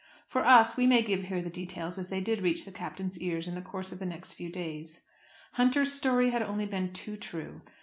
For us, we may give here the details as they did reach the Captain's ears in the course of the next few days. Hunter's story had only been too true.